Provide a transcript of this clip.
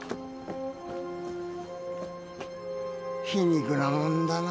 皮肉なもんだな。